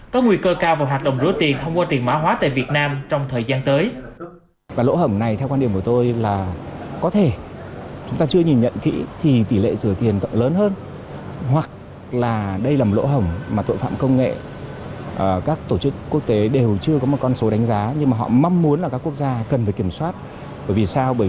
có nguy cơ cao vào hoạt động rửa tiền thông qua tiền mã hóa tại việt nam trong thời gian tới